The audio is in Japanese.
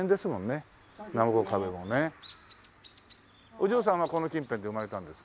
お嬢さんはこの近辺で生まれたんですか？